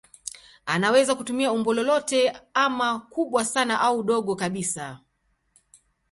Anaweza kutumia umbo lolote ama kubwa sana au dogo kabisa.